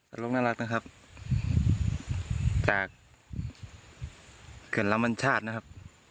อันโลกน่ารักนะครับจากเกิดละมันชาตินะครับ